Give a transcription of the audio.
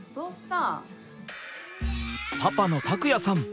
パパの琢也さん